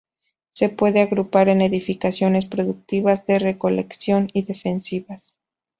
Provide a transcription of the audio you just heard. Se pueden agrupar en edificaciones productivas, de recolección y defensivas.